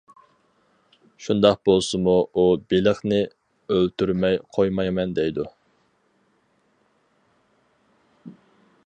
شۇنداق بولسىمۇ ئۇ بېلىقنى ئۆلتۈرمەي قويمايمەن دەيدۇ.